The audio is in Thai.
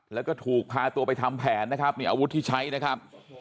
แล้วก็ถูกพาตัวไปทำแผนนะครับนี่อาวุธที่ใช้นะครับ